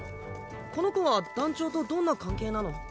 この子は団長とどんな関係なの？